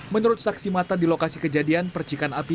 menurut saksi mata di lokasi kejadian percikan api